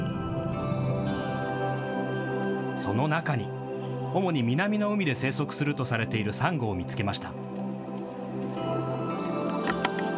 その中に主に南の海で生息するとされているサンゴを見つけました。